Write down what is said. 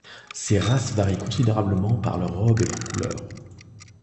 Ces races varient considérablement par leurs robes et leurs couleurs.